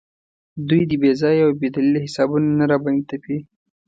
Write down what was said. دوی دې بې ځایه او بې دلیله حسابونه نه راباندې تپي.